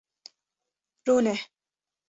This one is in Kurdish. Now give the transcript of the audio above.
Rûne.